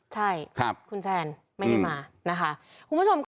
ใช่คุณแทนไม่ได้มานะฮะ